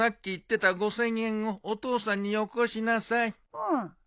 うん。